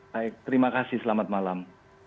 baik terima kasih selamat malam